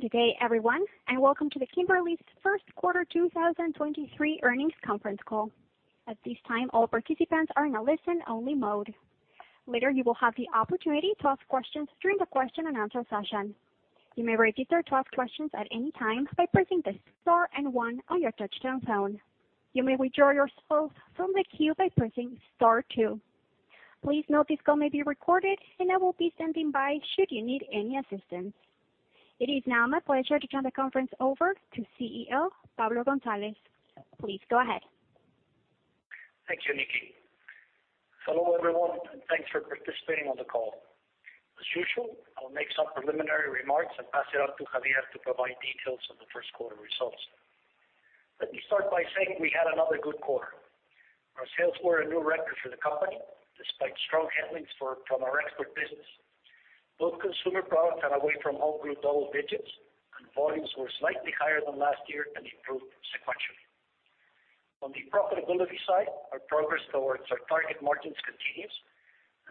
Good day everyone, and welcome to the Kimberly's first quarter 2023 earnings conference call. At this time, all participants are in a listen-only mode. Later you will have the opportunity to ask questions during the question and answer session. To ask questions at any time by pressing the star and one on your touch-tone phone. You may withdraw yourself from the queue by pressing star two. Please note this call may be recorded and I will be standing by should you need any assistance. It is now my pleasure to turn the conference over to CEO Pablo González. Please go ahead. Thank you, Nikki. Hello everyone, thanks for participating on the call. As usual, I'll make some preliminary remarks and pass it off to Javier to provide details of the first quarter results. Let me start by saying we had another good quarter. Our sales were a new record for the company, despite strong headwinds from our export business. Both consumer products and away from home grew double digits, volumes were slightly higher than last year and improved sequentially. On the profitability side, our progress towards our target margins continues,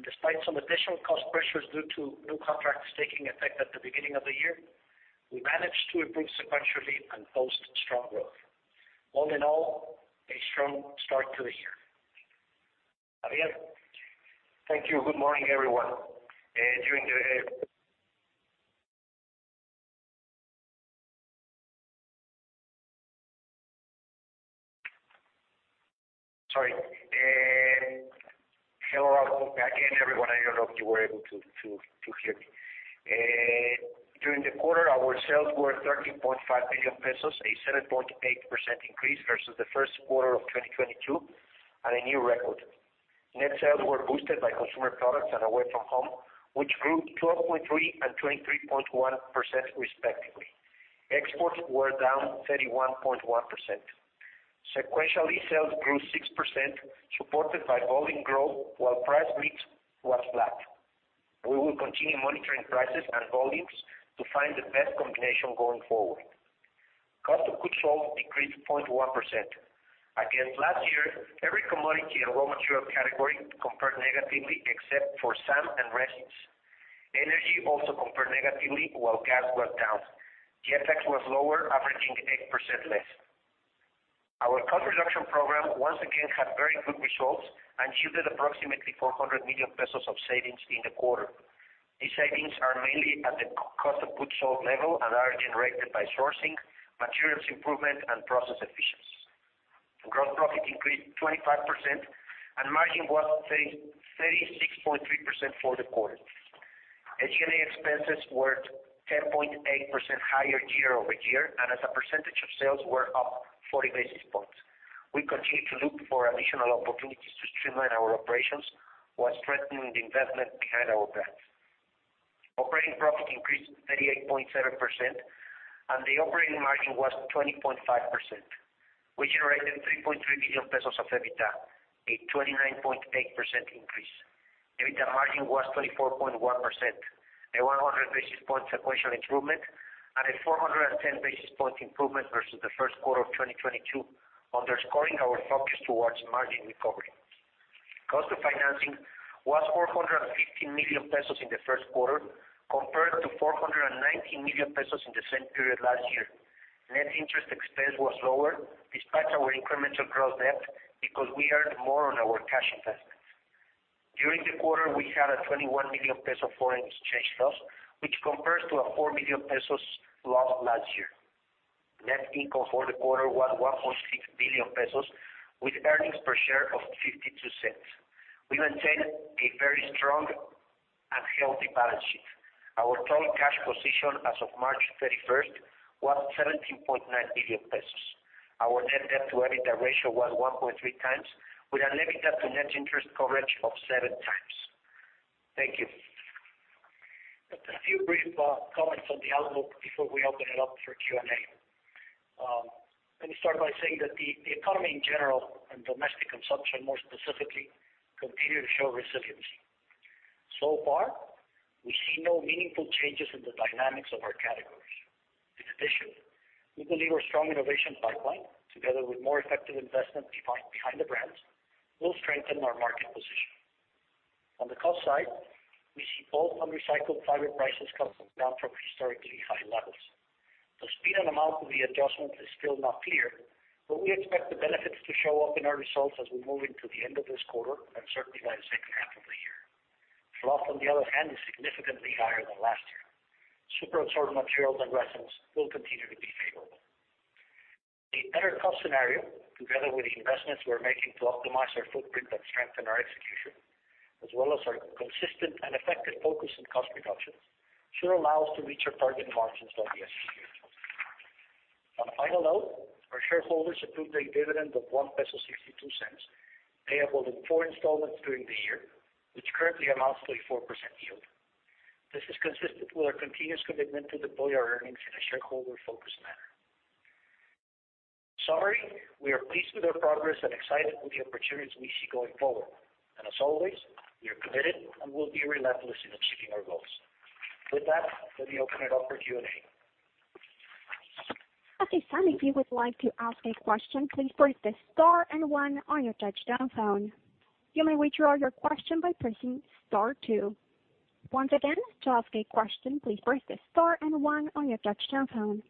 despite some additional cost pressures due to new contracts taking effect at the beginning of the year, we managed to improve sequentially and post strong growth. All in all, a strong start to the year. Javier? Thank you. Good morning, everyone. Sorry. Hello again, everyone. I don't know if you were able to hear me. During the quarter, our sales were 13.5 billion pesos, a 7.8% increase versus the first quarter of 2022 and a new record. Net sales were boosted by consumer products and away from home, which grew 12.3% and 23.1% respectively. Exports were down 31.1%. Sequentially, sales grew 6%, supported by volume growth while price mix was flat. We will continue monitoring prices and volumes to find the best combination going forward. Cost of goods sold decreased 0.1%. Against last year, every commodity and raw material category compared negatively except for SAM and resins. Energy also compared negatively, while gas was down. FX was lower, averaging 8% less. Our cost reduction program once again had very good results and yielded approximately 400 million pesos of savings in the quarter. These savings are mainly at the cost of goods sold level and are generated by sourcing, materials improvement and process efficiency. Gross profit increased 25%, and margin was 36.3% for the quarter. SG&A expenses were 10.8% higher year-over-year, and as a percentage of sales were up 40 basis points. We continue to look for additional opportunities to streamline our operations while strengthening the investment behind our brands. Operating profit increased 38.7%, and the operating margin was 20.5%. We generated 3.3 billion pesos of EBITDA, a 29.8% increase. EBITDA margin was 24.1%, a 100 basis point sequential improvement and a 410 basis point improvement versus the first quarter of 2022, underscoring our focus towards margin recovery. Cost of financing was 415 million pesos in the first quarter, compared to 419 million pesos in the same period last year. Net interest expense was lower despite our incremental gross debt, because we earned more on our cash investments. During the quarter, we had a 21 million peso foreign exchange loss, which compares to a 4 million pesos loss last year. Net income for the quarter was 1.6 billion pesos with earnings per share of 0.52. We maintain a very strong and healthy balance sheet. Our total cash position as of March 31st was 17.9 billion pesos. Our net debt to EBITDA ratio was 1.3x with EBITDA to net interest coverage of 7x. Thank you. Just a few brief comments on the outlook before we open it up for Q&A. Let me start by saying that the economy in general and domestic consumption, more specifically, continue to show resilience. So far, we see no meaningful changes in the dynamics of our categories. In addition, we believe our strong innovation pipeline, together with more effective investment behind the brands, will strengthen our market position. On the cost side, we see both virgin fiber prices coming down from historically high levels. The speed and amount of the adjustment is still not clear, but we expect the benefits to show up in our results as we move into the end of this quarter and certainly by the second half of the year. Fluff, on the other hand, is significantly higher than last year. Superabsorbent materials and resins will continue to be favorable. A better cost scenario, together with the investments we are making to optimize our footprint and strengthen our execution, as well as our consistent and effective focus on cost reduction, should allow us to reach our target margins by this year. On ILO, our shareholders approved a dividend of 1.62 peso, payable in four installments during the year, which currently amounts to a 4% yield. This is consistent with our continuous commitment to deploy our earnings in a shareholder-focused manner. Sorry, we are pleased with our progress and excited with the opportunities we see going forward. As always, we are committed and will be relentless in achieving our goals. With that, let me open it up for Q&A. At this time, if you would like to ask a question, please press the star one on your touchtone phone. You may withdraw your question by pressing star two. Once again, to ask a question, please press star one on your touchtone phone.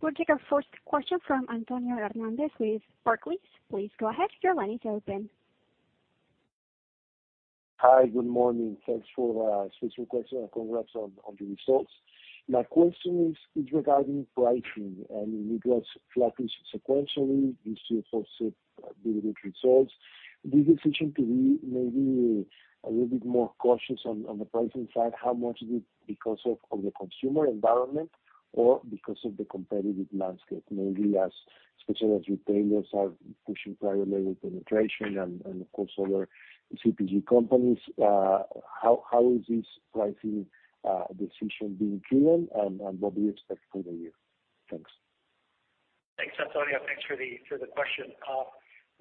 We'll take our first question from Antonio Hernández with Barclays. Please go ahead. Your line is open. Hi, good morning. Thanks for space request and congrats on the results. My question is regarding pricing, and it was flattish sequentially. You see also delivered results. The decision to be maybe a little bit more cautious on the pricing side, how much of it because of the consumer environment or because of the competitive landscape, especially as retailers are pushing higher level penetration and of course other CPG companies? How is this pricing decision being driven, and what do you expect for the year? Thanks. Thanks, Antonio. Thanks for the, for the question.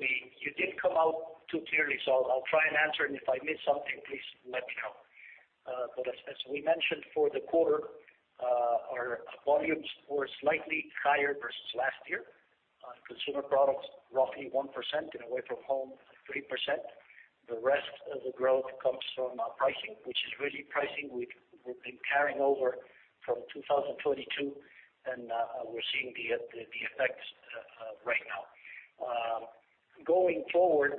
You didn't come out too clearly, so I'll try and answer, and if I miss something, please let me know. As, as we mentioned for the quarter, our volumes were slightly higher versus last year. Consumer products, roughly 1% and away from home, 3%. The rest of the growth comes from pricing, which is really pricing we've been carrying over from 2022, and we're seeing the effects right now. Going forward,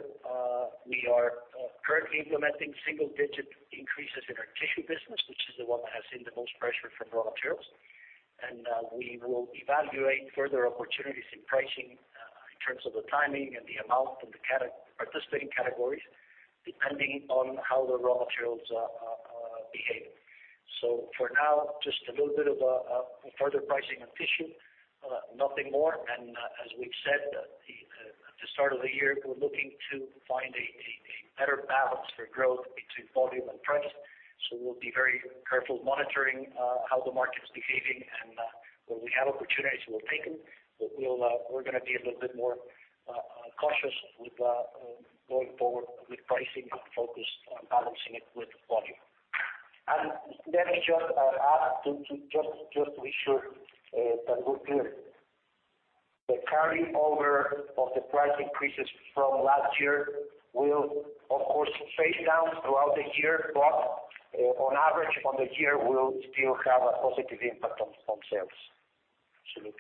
we are currently implementing single-digit increases in our tissue business, which is the one that has seen the most pressure from raw materials. We will evaluate further opportunities in pricing in terms of the timing and the amount and the participating categories, depending on how the raw materials behave. For now, just a little bit of a further pricing on tissue, nothing more. As we've said at the start of the year, we're looking to find a better balance for growth between volume and price. We'll be very careful monitoring how the market is behaving, and where we have opportunities, we'll take them. We're gonna be a little bit more cautious with going forward with pricing and focus on balancing it with volume. Let me just add to just to be sure that we're clear. The carryover of the price increases from last year will of course phase down throughout the year, but, on average on the year will still have a positive impact on sales. Absolutely.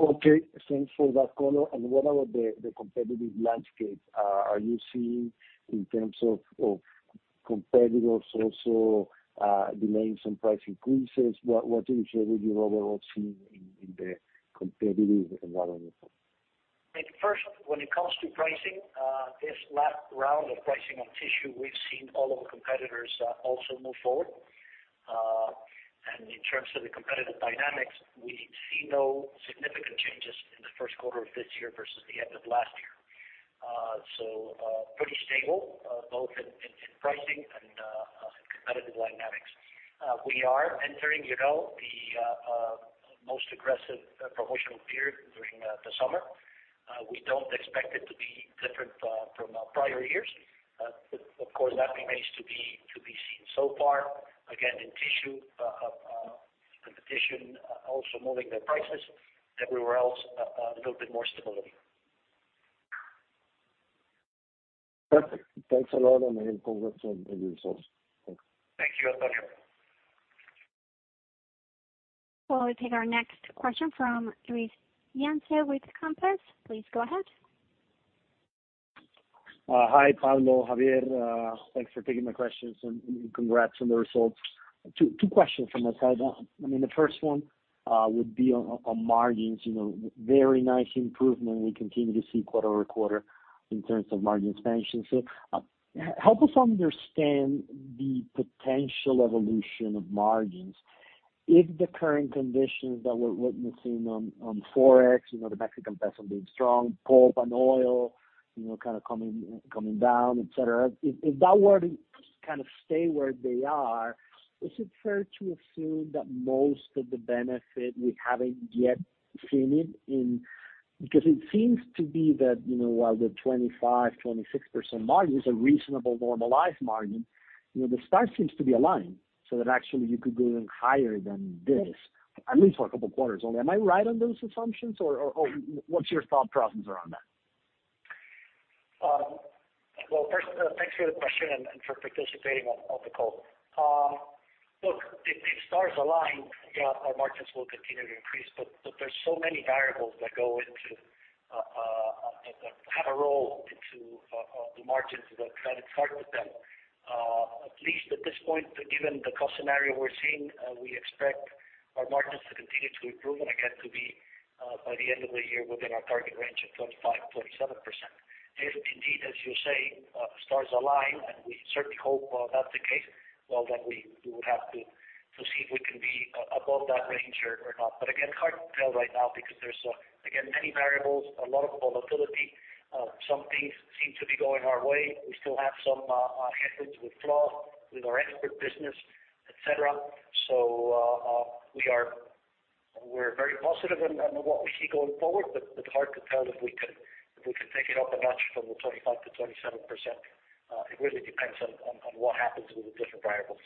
Okay. Thanks for that color. What about the competitive landscape? Are you seeing in terms of competitors also delaying some price increases? What in general you overall seeing in the competitive environment? First, when it comes to pricing, this last round of pricing on tissue, we've seen all of our competitors also move forward. In terms of the competitive dynamics, we see no significant changes in the first quarter of this year versus the end of last year. Pretty stable, both in pricing and competitive dynamics. We are entering, you know, the most aggressive promotional period during the summer. We don't expect it to be different from prior years. Of course, that remains to be seen. So far, again, in tissue, competition also moving their prices. Everywhere else, a little bit more stability. Perfect. Thanks a lot and congrats on the results. Thanks. Thank you, Antonio. We'll take our next question from Luis Yance with Compass. Please go ahead. Hi, Pablo, Javier. Thanks for taking my questions, and congrats on the results. Two questions from my side. I mean, the first one would be on margins. You know, very nice improvement we continue to see quarter-over-quarter in terms of margin expansion. Help us understand the potential evolution of margins. If the current conditions that we're witnessing on Forex, you know, the Mexican peso being strong, pulp and oil, you know, kind of coming down, et cetera. If that were to kind of stay where they are, is it fair to assume that most of the benefit we haven't yet seen it in. It seems to be that, you know, while the 25%-26% margin is a reasonable normalized margin, you know, the stars seems to be aligned so that actually you could go even higher than this, at least for a couple of quarters only. Am I right on those assumptions, or what's your thought process around that? Well, first, thanks for the question and for participating on the call. Look, if stars align, yeah, our margins will continue to increase. Look, there's so many variables that go into have a role into the margins that it's hard to tell. At least at this point, given the cost scenario we're seeing, we expect our margins to continue to improve, and again, to be by the end of the year within our target range of 25%-27%. If indeed, as you say, stars align, and we certainly hope that's the case, well, then we would have to see if we can be above that range or not. Again, hard to tell right now because there's again, many variables, a lot of volatility. Some things seem to be going our way. We still have some headwinds with fluff, with our export business, et cetera. We're very positive on what we see going forward, but hard to tell if we can take it up a notch from the 25%-27%. It really depends on what happens with the different variables.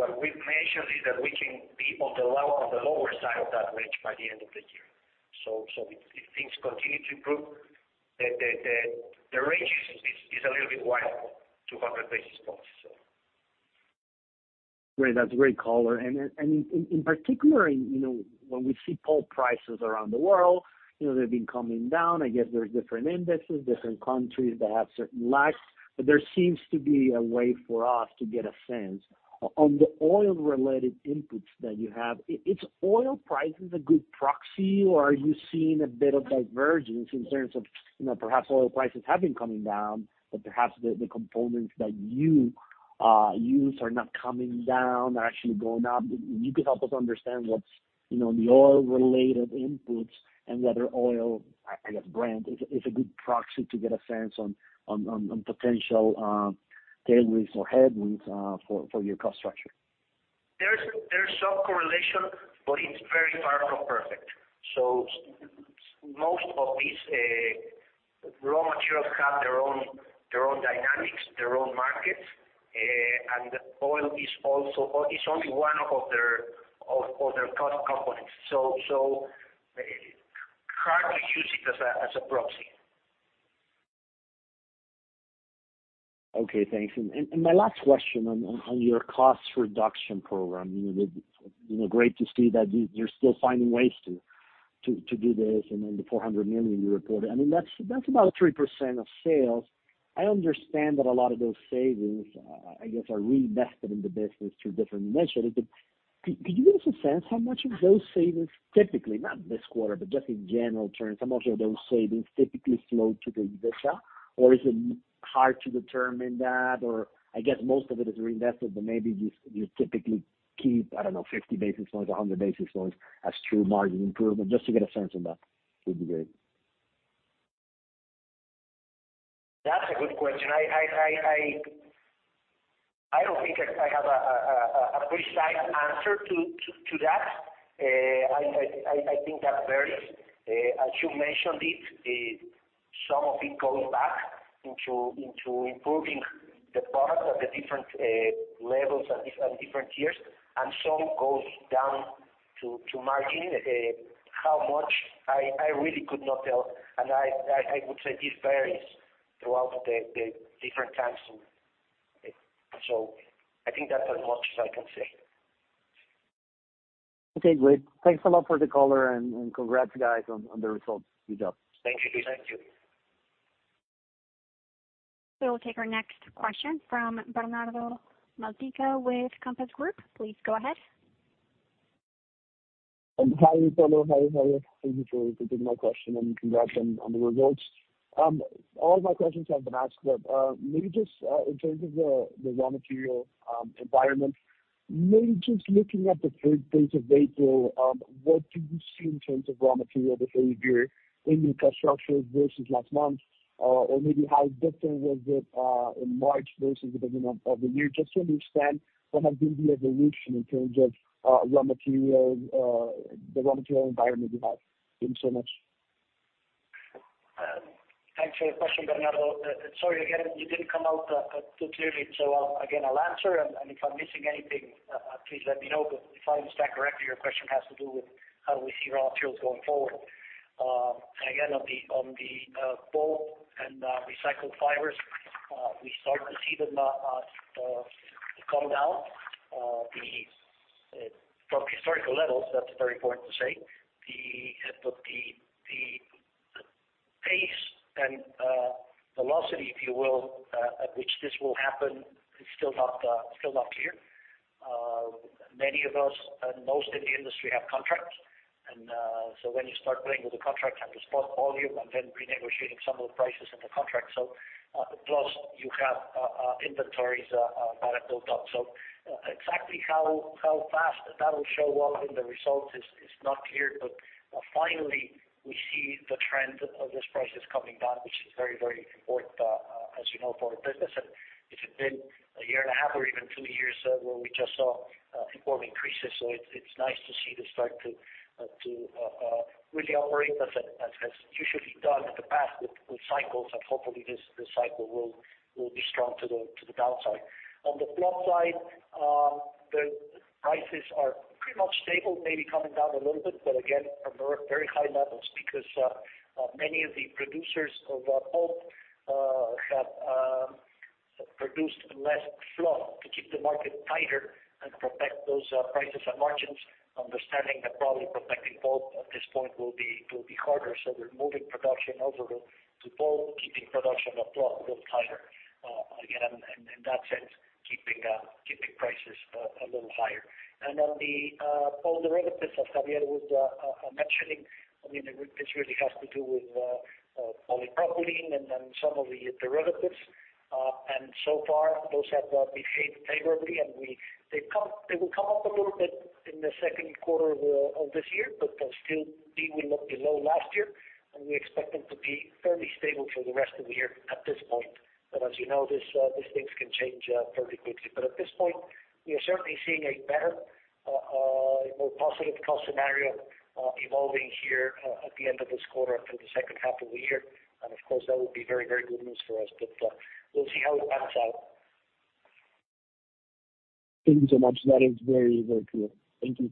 What we've mentioned is that we can be on the lower side of that range by the end of the year. If things continue to improve, the range is a little bit wide, 200 basis points, so. Great. That's a great color. In particular, you know, when we see pulp prices around the world, you know, they've been coming down. I guess there's different indexes, different countries that have certain lags. There seems to be a way for us to get a sense on the oil-related inputs that you have. Is oil prices a good proxy, or are you seeing a bit of divergence in terms of, you know, perhaps oil prices have been coming down, but perhaps the components that you use are not coming down, they're actually going up? If you could help us understand what's, you know, the oil-related inputs and whether oil, I guess, Brent is a good proxy to get a sense on potential tailwinds or headwinds for your cost structure. There's some correlation, but it's very far from perfect. Most of these raw materials have their own dynamics, their own markets. Oil is also it's only one of their cost components. Hardly use it as a proxy. Okay, thanks. My last question on your cost reduction program. You know, great to see that you're still finding ways to do this and then the 400 million you reported. I mean, that's about 3% of sales. I understand that a lot of those savings, I guess, are reinvested in the business through different measures. Could you give us a sense how much of those savings typically, not this quarter, but just in general terms, how much of those savings typically flow to the EBITDA? Is it hard to determine that? I guess most of it is reinvested, but maybe you typically keep, I don't know, 50 basis points, 100 basis points as true margin improvement. Just to get a sense on that would be great. That's a good question. I don't think I have a precise answer to that. I think that varies. As you mentioned it, some of it going back into improving the product at the different levels and different tiers, and some goes down to margin. How much? I really could not tell. I would say this varies throughout the different times. I think that's as much as I can say. Okay, great. Thanks a lot for the color and congrats guys on the results. Good job. Thank you. Thank you. We will take our next question from Bernardo Malpica with Compass Group. Please go ahead. Hi, Pablo. Hi, Javier. Thank you for taking my question, and congrats on the results. All my questions have been asked, maybe just in terms of the raw material environment, maybe just looking at the first quarter data, what do you see in terms of raw material behavior in infrastructure versus last month? Or maybe how different was it in March versus the beginning of the year? Just to understand what has been the evolution in terms of raw material, the raw material environment you have. Thanks so much. Thanks for your question, Bernardo. Sorry, again, you didn't come out too clearly. Again, I'll answer, and if I'm missing anything, please let me know. If I understand correctly, your question has to do with how do we see raw materials going forward. Again, on the pulp and recycled fibers, we start to see them come down. From historical levels, that's very important to say. The pace and velocity, if you will, at which this will happen is still not clear. Many of us and most in the industry have contracts. When you start playing with the contracts, have to spot volume and then renegotiating some of the prices in the contract. Plus you have inventories that are built up. Exactly how fast that'll show well in the results is not clear. Finally, we see the trend of those prices coming down, which is very, very important, as you know, for our business. It's been a year and a half or even two years, where we just saw important increases. It's nice to see this start to really operate as it usually done in the past with cycles. Hopefully this cycle will be strong to the downside. On the fluff side, the prices are pretty much stable, maybe coming down a little bit, but again, from very, very high levels because many of the producers of pulp have produced less fluff to keep the market tighter and protect those prices and margins. Understanding that probably protecting pulp at this point will be harder. We're moving production over to pulp, keeping production of fluff a little tighter. Again, in that sense, keeping prices a little higher. On the derivatives, as Javier was mentioning, I mean, this really has to do with polypropylene and then some of the derivatives. So far, those have behaved favorably. They will come up a little bit in the second quarter of this year, but still will look below last year, and we expect them to be fairly stable for the rest of the year at this point. As you know, this, these things can change fairly quickly. At this point, we are certainly seeing a better, a more positive cost scenario, evolving here, at the end of this quarter for the second half of the year. Of course, that would be very, very good news for us. We'll see how it pans out. Thank you so much. That is very, very clear. Thank you.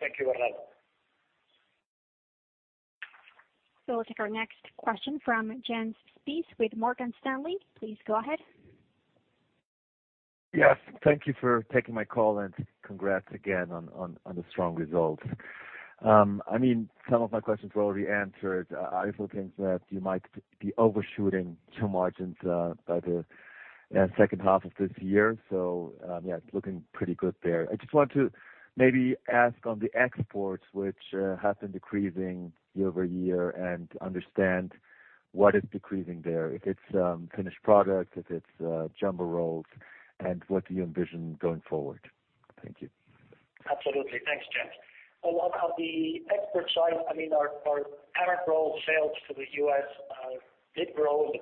Thank you, Bernardo. We'll take our next question from Jens Spiess with Morgan Stanley. Please go ahead. Yes. Thank you for taking my call, and congrats again on the strong results. I mean, some of my questions were already answered. I also think that you might be overshooting your margins by the second half of this year. Yeah, it's looking pretty good there. I just want to maybe ask on the exports, which have been decreasing year-over-year, and understand what is decreasing there, if it's finished product, if it's jumbo rolls, and what do you envision going forward? Thank you. Absolutely. Thanks, Jens. On the export side, I mean, our parent roll sales to the U.S. did grow in the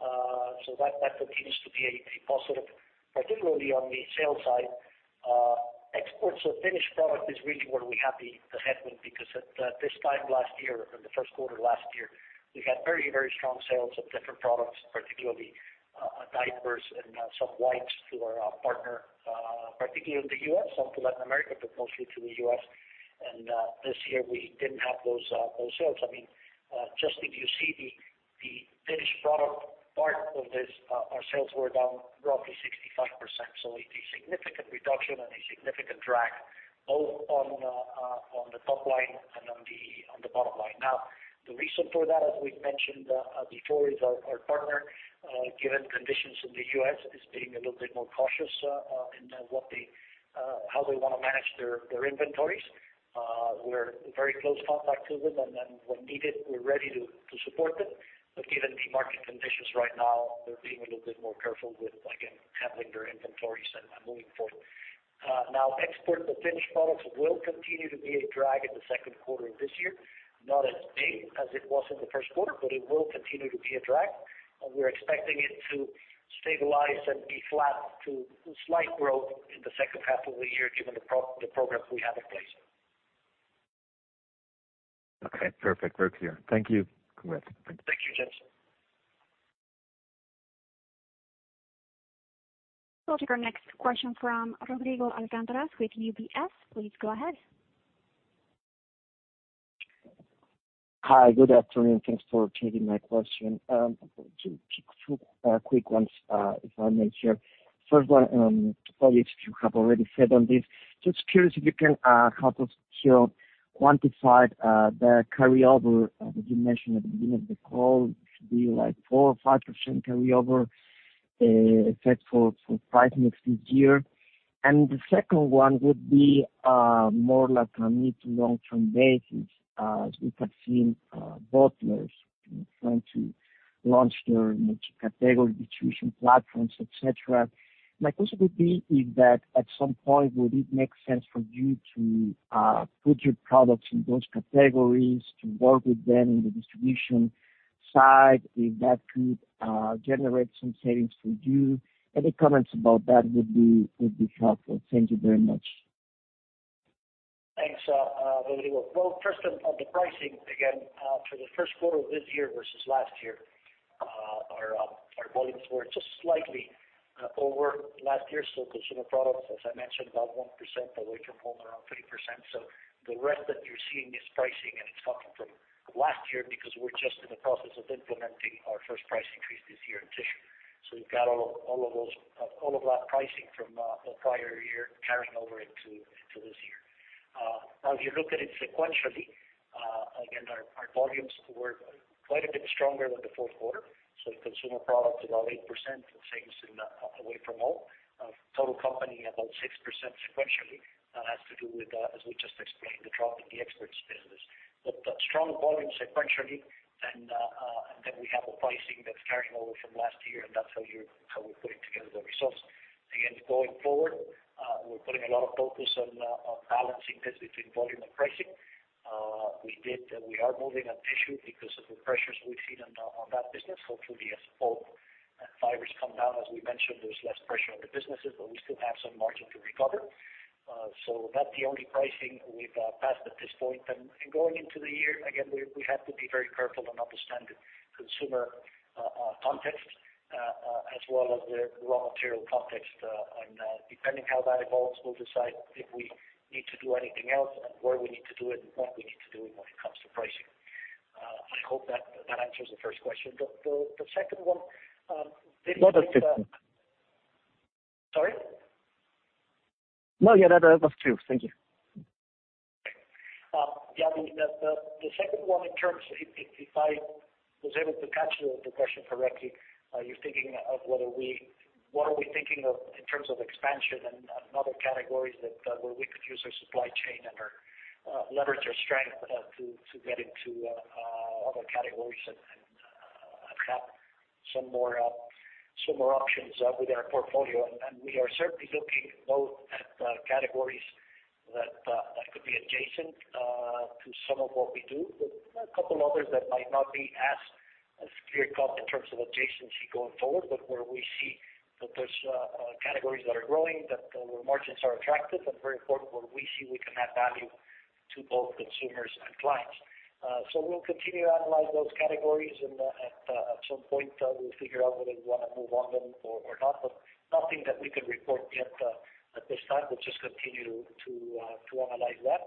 quarter. That continues to be a positive, particularly on the sales side. Exports of finished product is really where we have the headwind because at this time last year, in the first quarter last year, we had very strong sales of different products, particularly diapers and some wipes to our partner, particularly in the U.S., some to Latin America, but mostly to the U.S. This year, we didn't have those sales. I mean, just if you see the finished product part of this, our sales were down roughly 65%. A significant reduction and a significant drag both on the top line and on the bottom line. The reason for that, as we've mentioned before, is our partner, given conditions in the U.S., is being a little bit more cautious in what they, how they wanna manage their inventories. We're in very close contact with them, and when needed, we're ready to support them. Given the market conditions right now, they're being a little bit more careful with, again, handling their inventories and moving forward. Export of finished products will continue to be a drag in the second quarter of this year, not as big as it was in the first quarter, but it will continue to be a drag. We're expecting it to stabilize and be flat to slight growth in the second half of the year given the progress we have in place. Okay. Perfect. Very clear. Thank you. Congrats. Thank you, Jens. We'll take our next question from Rodrigo Alcantara with UBS. Please go ahead. Hi. Good afternoon. Thanks for taking my question. Just two quick ones, if I may share. First one, probably if you have already said on this, just curious if you can help us here quantify the carryover that you mentioned at the beginning of the call. It should be like 4% or 5% carryover effect for price mix this year. The second one would be more like a mid to long-term basis. As we have seen, bottlers, you know, trying to launch their multi-category distribution platforms, et cetera. My question would be if that at some point, would it make sense for you to put your products in those categories to work with them in the distribution side, if that could generate some savings for you? Any comments about that would be helpful. Thank you very much. Thanks, Rodrigo. Well, first on the pricing, again, for the first quarter of this year versus last year, our volumes were just slightly over last year. Consumer products, as I mentioned, about 1%, away from home around 3%. The rest that you're seeing is pricing, and it's coming from last year because we're just in the process of implementing our first price increase this year in tissue. We've got all of that pricing from the prior year carrying over into this year. Now if you look at it sequentially, again, our volumes were quite a bit stronger than the fourth quarter. Consumer products about 8%, the same as in away from home. Total company about 6% sequentially, has to do with, as we just explained, the drop in the exports business. Strong volume sequentially and then we have the pricing that's carrying over from last year, and that's how we're putting together the results. Going forward, we're putting a lot of focus on balancing this between volume and pricing. We did and we are moving on tissue because of the pressures we've seen on that business. As pulp and fibers come down, as we mentioned, there's less pressure on the businesses, but we still have some margin to recover. That's the only pricing we've, passed at this point. Going into the year, again, we have to be very careful on understanding consumer context, as well as the raw material context. Depending how that evolves, we'll decide if we need to do anything else and where we need to do it and what we need to do when it comes to pricing. I hope that answers the first question. The second one. No, that's it. Sorry? No, yeah, that was two. Thank you. Okay. Yeah, the second one in terms, if I was able to catch the question correctly, you're thinking of what are we thinking of in terms of expansion and other categories that where we could use our supply chain and our leverage our strength to get into other categories and have some more options with our portfolio. We are certainly looking both at categories that could be adjacent to some of what we do. There are a couple others that might not be as clear cut in terms of adjacency going forward, but where we see that there's categories that are growing, that the margins are attractive and very important where we see we can add value to both consumers and clients. We'll continue to analyze those categories and, at some point, we'll figure out whether we wanna move on them or not. Nothing that we can report yet at this time, we'll just continue to analyze that.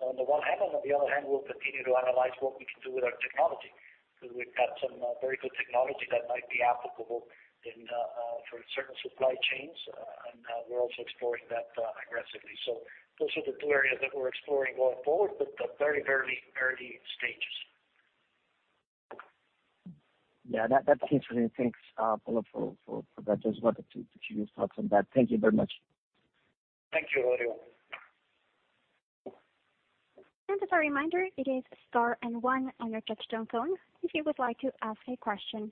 On the one hand and on the other hand, we'll continue to analyze what we can do with our technology, because we've got some very good technology that might be applicable in for certain supply chains. We're also exploring that aggressively. Those are the two areas that we're exploring going forward, but very early stages. Yeah. That, that's interesting. Thanks, Pablo, for that. Just wanted to hear your thoughts on that. Thank you very much. Thank you, Rodrigo. As a reminder, it is star one on your touchtone phone if you would like to ask a question.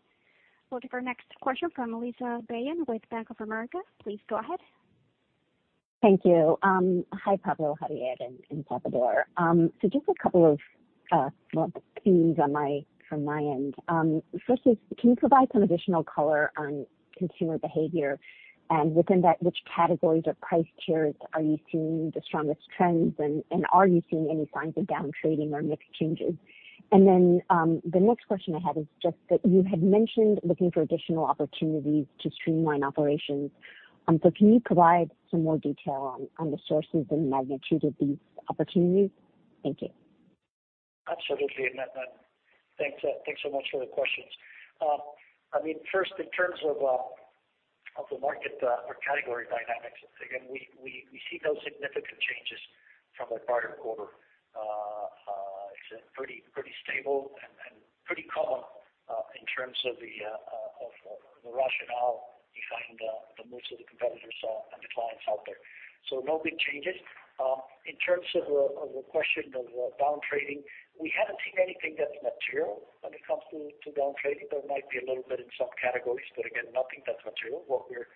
We'll take our next question from Melissa Byun with Bank of America. Please go ahead. Thank you. Hi, Pablo, Javier and Salvador. Just a couple of, well, themes on my, from my end. First is, can you provide some additional color on consumer behavior? Within that, which categories or price tiers are you seeing the strongest trends and are you seeing any signs of down trading or mix changes? The next question I had is just that you had mentioned looking for additional opportunities to streamline operations. Can you provide some more detail on the sources and magnitude of these opportunities? Thank you. Absolutely. And thanks so much for the questions. I mean, first in terms of the market or category dynamics, again, we see no significant changes from the prior quarter. It's pretty stable and pretty common in terms of the rationale behind the moves of the competitors and the clients out there. No big changes. In terms of the question of down trading, we haven't seen anything that's material when it comes to down trading. There might be a little bit in some categories, but again, nothing that's material. What we're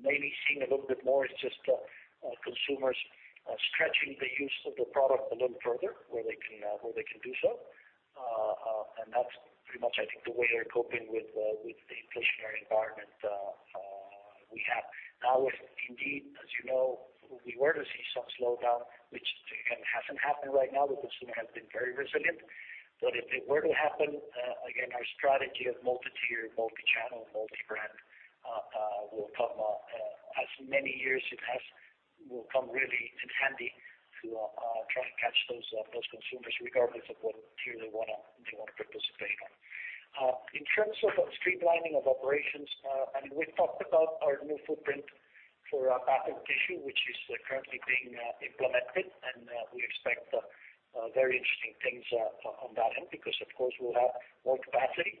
maybe seeing a little bit more is just consumers stretching the use of the product a little further where they can, where they can do so. That's pretty much I think the way they're coping with the inflationary environment we have. Now, if indeed, as you know, we were to see some slowdown, which, again, hasn't happened right now, the consumer has been very resilient. If it were to happen, again, our strategy of multi-tier, multi-channel, multi-brand will come, as many years it has, will come really in handy to try and catch those consumers regardless of what tier they wanna participate on. In terms of streamlining of operations, I mean, we've talked about our new footprint for bath and tissue, which is currently being implemented. We expect very interesting things on that end because of course we'll have more capacity,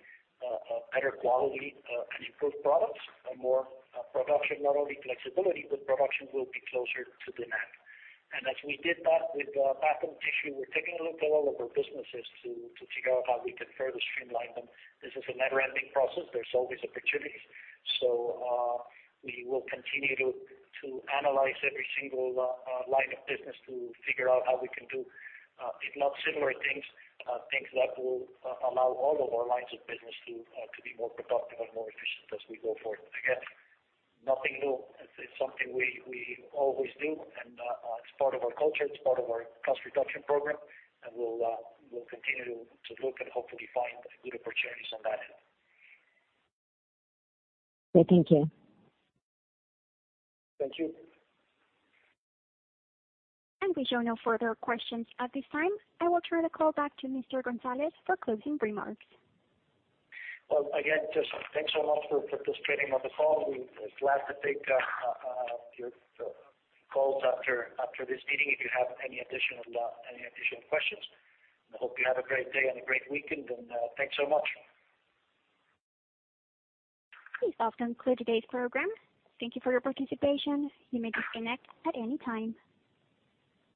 better quality, and improved products and more production, not only flexibility, but production will be closer to demand. As we did that with bath and tissue, we're taking a look at all of our businesses to figure out how we can further streamline them. This is a never-ending process. There's always opportunities. We will continue to analyze every single line of business to figure out how we can do, if not similar things that will allow all of our lines of business to be more productive and more efficient as we go forward. Again, nothing new. It's something we always do and it's part of our culture, it's part of our cost reduction program, and we'll continue to look and hopefully find good opportunities on that end. Okay. Thank you. Thank you. We show no further questions at this time. I will turn the call back to Mr. González for closing remarks. Well, again, just thanks so much for participating on the call. We'll be glad to take your calls after this meeting if you have any additional questions. I hope you have a great day and a great weekend, and thanks so much. This does conclude today's program. Thank you for your participation. You may disconnect at any time.